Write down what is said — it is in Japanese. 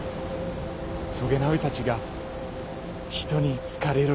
そげなおいたちが人に好かれるにはよ